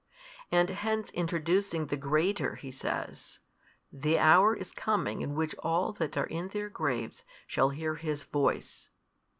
And hence introducing the greater, He says, The hour is coming in which all that are in their graves shall hear His Voice.